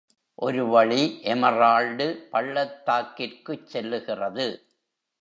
ஒருவழி Emerald பள்ளத்தாக்கி ற்குச் செல்லுகிறது.